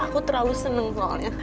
aku terlalu seneng soalnya